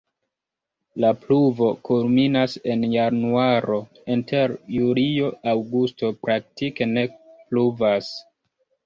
La pluvo kulminas en januaro, inter julio-aŭgusto praktike ne pluvas.